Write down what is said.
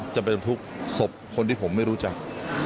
จะเป็นทุกศพคนที่ผมไม่รู้จัก